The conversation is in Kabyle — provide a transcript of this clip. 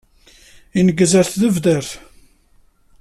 Ineggez ɣer tnerdabt.